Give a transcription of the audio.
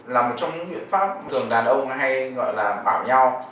là một trong những biện pháp thường đàn ông hay gọi là bảo nhau